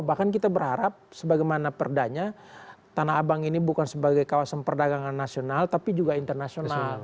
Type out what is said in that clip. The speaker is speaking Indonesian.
bahkan kita berharap sebagaimana perdanya tanah abang ini bukan sebagai kawasan perdagangan nasional tapi juga internasional